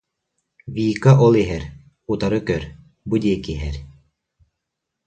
Вика ол иһэр, утары көр, бу диэки иһэр